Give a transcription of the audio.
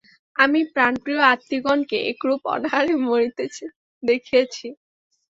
আমি প্রাণপ্রিয় আত্মীয়গণকে একরূপ অনাহারে মরিতে দেখিয়াছি।